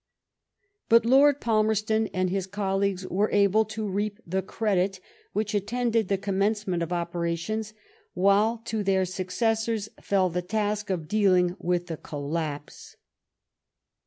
But Lord Palmerston and his colleagues were able to reap the credit which attended the commencement of operations, while to their succes sors fell the task of dealing with the collapse.